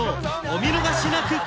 お見逃しなく！